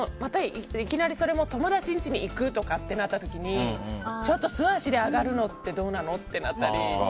いきなりそれも友達の家に行くとかなった時ちょっと素足で上がるのってどうなのってなったり。